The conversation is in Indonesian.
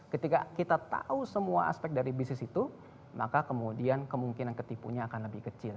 ketika kita tahu semua aspek dari bisnis itu maka kemudian kemungkinan ketipunya akan lebih kecil